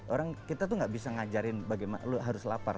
orang kita tuh gak bisa ngajarin bagaimana lo harus lapar